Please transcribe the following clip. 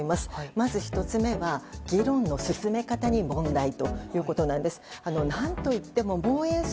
まず１つ目は議論の進め方に問題ということです。